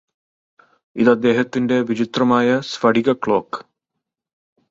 ഇത് അദ്ദേഹത്തിന്റെ വിചിത്രമായ സ്ഫടിക ക്ലോക്ക്